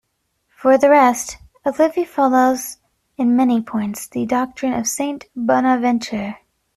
For the rest, Olivi follows in many points the doctrine of Saint Bonaventure.